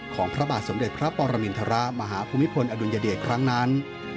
พระบาทสมเด็จพระปรมินทรมาฮภูมิพลอดุลยเดชครั้งนั้น